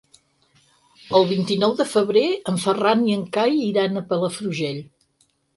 El vint-i-nou de febrer en Ferran i en Cai iran a Palafrugell.